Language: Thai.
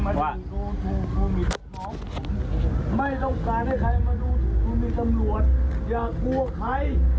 ผมไม่ต้องการให้ใครมาดูมีตำรวจอย่ากลัวใคร